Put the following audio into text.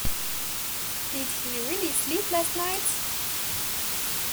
Did he really sleep last night?